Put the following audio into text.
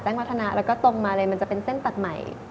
แต่งวัฒนาแล้วตรงมาเลยคือเป็นเส้นตัดใหม่